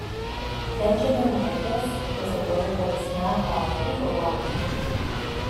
Benjamin Dreyfus was awarded what is now called Eagle Rock.